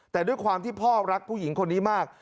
แต่ด้วยความที่พ่อรักผู้หญิงคนนี้มาก